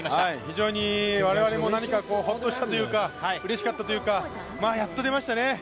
非常に我々もホッとしたというかうれしかったというかやっと出ましたね。